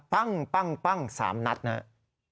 ปั้งปั้งปั้งสามนัดเนอะ